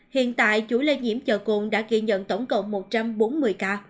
hiện tại chuỗi lây nhiễm chợ cồn đã ghi nhận tổng cộng một trăm bốn mươi ca